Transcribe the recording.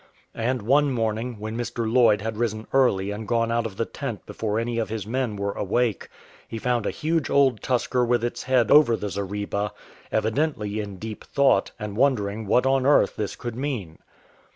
And one morning when Mr. Lloyd had risen early and gone out of the tent before any of his men were awake, he found a huge old tusker with its head over the zareba, " evidently in deep thought, and wondering what on earth this could mean."